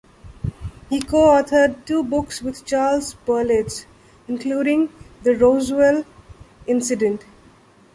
He co-authored two books with Charles Berlitz, including "The Roswell Incident".